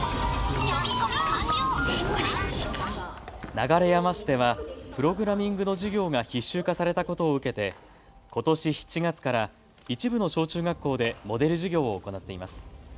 流山市ではプログラミングの授業が必修化されたことを受けてことし７月から一部の小中学校でモデル授業を行っています。